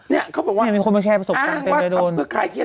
เนี่ยเขาบอกว่าอ้างว่าคำเพื่อคลายเครียด